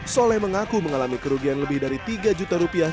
soleh mengaku mengalami kerugian lebih dari tiga juta rupiah